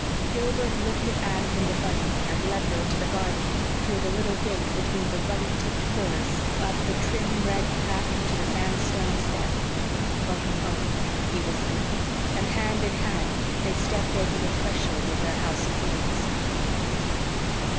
Gilbert lifted Anne from the buggy and led her into the garden, through the little gate between the ruddy tipped firs, up the trim, red path to the sandstone step. "Welcome home," he whispered, and hand in hand they stepped over the threshold of their house of dreams.